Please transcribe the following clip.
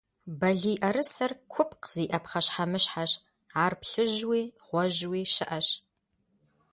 Балийӏэрысэр купкъ зиӏэ пхъэщхьэмыщхьэщ, ар плъыжьууи гъуэжьууи щыӏэщ.